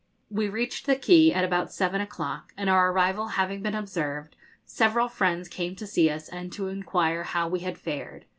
] We reached the quay at about seven o'clock, and, our arrival having been observed, several friends came to see us and to inquire how we had fared.